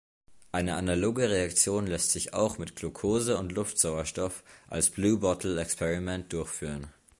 Eine analoge Reaktion lässt sich auch mit Glucose und Luftsauerstoff als Blue-Bottle-Experiment durchführen.